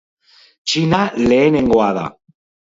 Txina lehenengoa da.